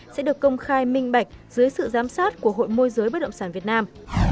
sẽ được công khai minh bạch dưới sự giám sát của hội môi giới bất động sản việt nam